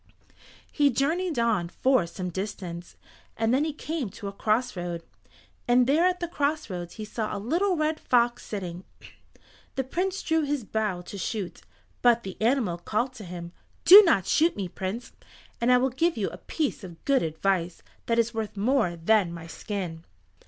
He journeyed on for some distance and then he came to a cross road, and there at the cross roads he saw a little red fox sitting. The Prince drew his bow to shoot, but the animal called to him, "Do not shoot me, Prince, and I will give you a piece of good advice that is worth more than my skin."